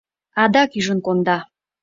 Адак ӱжын конда!